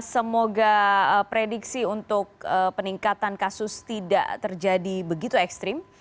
semoga prediksi untuk peningkatan kasus tidak terjadi begitu ekstrim